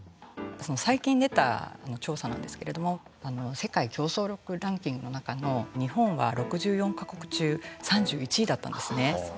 最近出た調査なんですけれども世界競争力ランキングの中の日本は６４か国中３１位だったんですね。